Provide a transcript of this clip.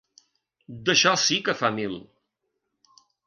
D'això sí que fa mil!